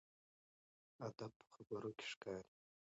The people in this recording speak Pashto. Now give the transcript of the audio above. ادب په خبرو کې ښکاري.